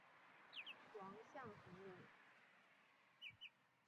王象恒人。